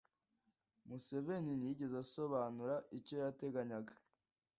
Museveni ntiyigeze asobanura icyo yateganyaga